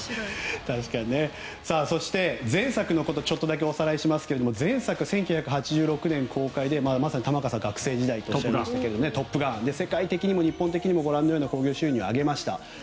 そして前作のことをちょっとだけおさらいしますが前作、１９８６年公開でまさに玉川さんが学生時代「トップガン」世界的にも日本的にもご覧のような興行収入を挙げました。